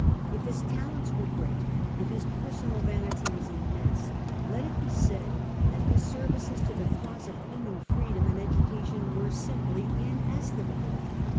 If his talents were great, if his personal vanity was immense, let it be said that his services to the cause of human freedom and education were simply inesti mable.